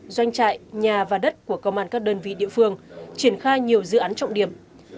doanh trại nhà và đất của công an các đơn vị địa phương triển khai nhiều dự án trọng điểm